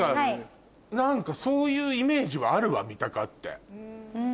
何かそういうイメージはあるわ三鷹って。